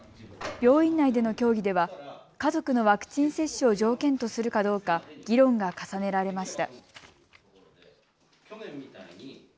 病院内での協議では家族のワクチン接種を条件とするかどうか議論が重ねられました。